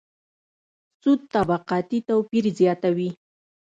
سود طبقاتي توپیر زیاتوي.